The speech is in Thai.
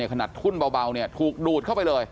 ขนาดทุ่นเบาถูกดูดเข้าไปเลย